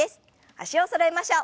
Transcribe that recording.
脚をそろえましょう。